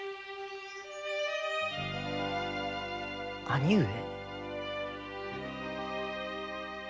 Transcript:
兄上？